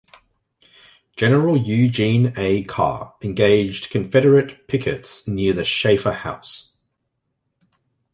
General Eugene A. Carr engaged Confederate pickets near the Shaifer House.